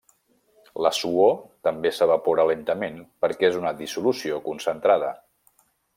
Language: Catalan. La suor també s'evapora lentament perquè és una dissolució concentrada.